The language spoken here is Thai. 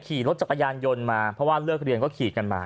ขี่รถจักรยานยนต์มาเพราะว่าเลิกเรียนก็ขี่กันมา